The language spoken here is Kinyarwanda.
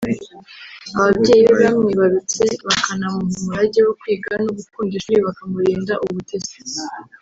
ababyeyi be bamwibarutse bakanamuha umurage wo kwiga no gukunda ishuri bakamurinda ubutesi